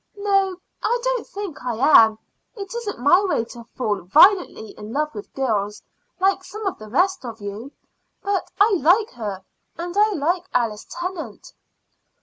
"No, I don't think I am. It isn't my way to fall violently in love with girls, like some of the rest of you. But I like her; and I like Alice Tennant."